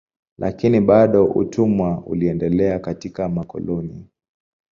Lakini bado utumwa uliendelea katika makoloni.